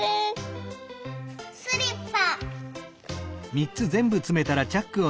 スリッパ！